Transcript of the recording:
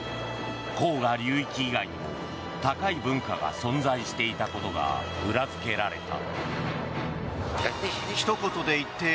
黄河流域以外にも高い文化が存在していたことが裏付けられた。